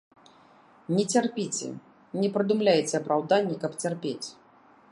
Не цярпіце, не прыдумляйце апраўданні, каб цярпець.